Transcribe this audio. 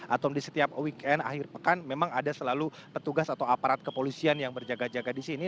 atau di setiap weekend akhir pekan memang ada selalu petugas atau aparat kepolisian yang berjaga jaga di sini